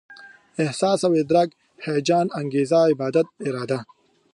احساس او ادراک، هيجان، انګېزه، عادت، اراده